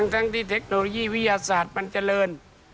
ทั้งที่เทคโนโลยีวิทยาศาสตร์มันเจริญ